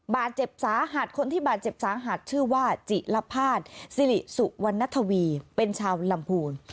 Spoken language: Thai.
บาดเจ็บสาหัสคนที่บาดเจ็บสาหัสชื่อว่าจิลภาษณ์สิริสุวรรณทวีเป็นชาวลำพูน